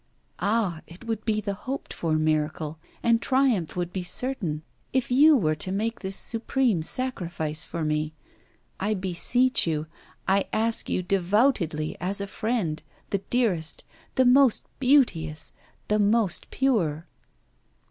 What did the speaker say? ah! it would be the hoped for miracle, and triumph would be certain, if you were to make this supreme sacrifice for me. I beseech you, I ask you devoutly, as a friend, the dearest, the most beauteous, the most pure.